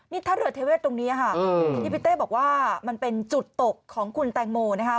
นี่ท่าเรือเทเวศตรงนี้ค่ะที่พี่เต้บอกว่ามันเป็นจุดตกของคุณแตงโมนะคะ